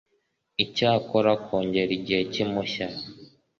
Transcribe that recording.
Icyakora kongera igihe cy impushya